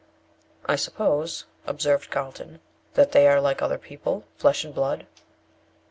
"I suppose," observed Carlton, "that they are like other people, flesh and blood."